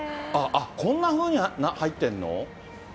あっ、こんなふうに入ってるの？